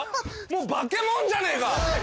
もう化け物じゃねえか！